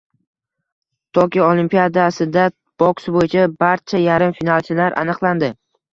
Tokio Olimpiadasida boks bo‘yicha barcha yarim finalchilar aniqlandi